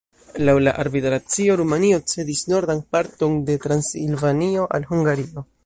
Laŭ la arbitracio Rumanio cedis nordan parton de Transilvanio al Hungario.